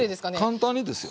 簡単にですよ。